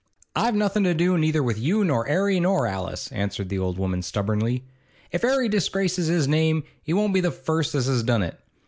'I've nothing to do neither with you nor 'Arry nor Alice,' answered the old woman stubbornly. 'If 'Arry disgraces his name, he won't be the first as has done it.